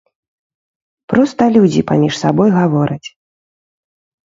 Проста людзі паміж сабой гавораць.